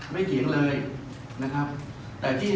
ไม่เคยเลยนะครับแต่ที่